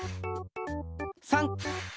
３！